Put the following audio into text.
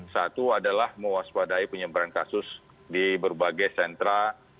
satu adalah mewaspadai penyebaran kasus di berbagai sentra